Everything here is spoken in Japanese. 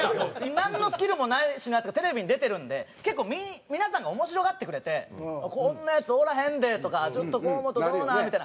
なんのスキルもないヤツがテレビに出てるので結構皆さんが面白がってくれて「こんなヤツおらへんで」とか「ちょっと河本どうなん？」みたいな。